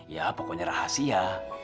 ya pokoknya rahasia